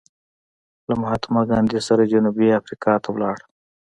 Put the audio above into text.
له مهاتما ګاندې سره جنوبي افریقا ته ولاړ.